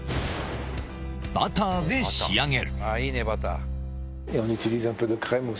バターで仕上げる。